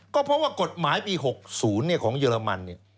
ก็เพราะว่ากฎหมายปี๖๐ของเยอรมันเนี่ย